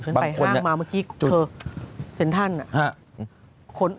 ไปห้างมาเมื่อกี้เธอเซ็นทรัล